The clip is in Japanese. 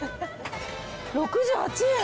６８円！